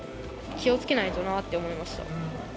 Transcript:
気をつけないとなと思いました。